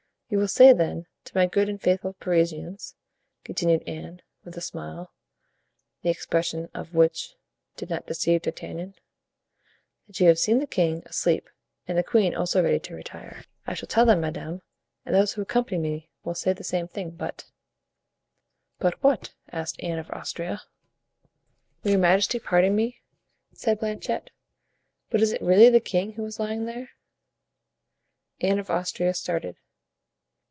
"You will say, then, to my good and faithful Parisians," continued Anne, with a smile, the expression of which did not deceive D'Artagnan, "that you have seen the king in bed, asleep, and the queen also ready to retire." "I shall tell them, madame, and those who accompany me will say the same thing; but——" "But what?" asked Anne of Austria. "Will your majesty pardon me," said Planchet, "but is it really the king who is lying there?" Anne of Austria started.